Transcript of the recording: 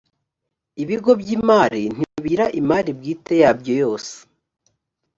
ibigo by’imali ntibigira imali bwite yabyo yose